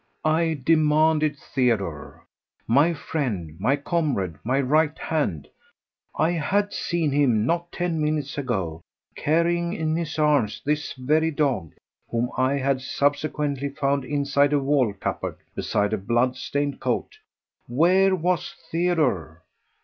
I demanded Theodore! My friend, my comrade, my right hand! I had seen him not ten minutes ago, carrying in his arms this very dog, whom I had subsequently found inside a wall cupboard beside a blood stained coat. Where was Theodore?